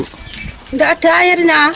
tidak ada airnya